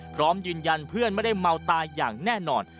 พร้อมยืนยันเพื่อนไม่ได้เมาตายอย่างแน่นอน